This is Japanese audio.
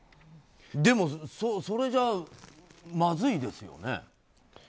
でも、それじゃまずいですよね。